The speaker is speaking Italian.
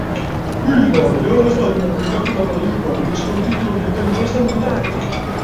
In Italia è stato pubblicato da Panini Comics col titolo di "Tempesta mortale".